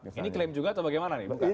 ini klaim juga atau bagaimana nih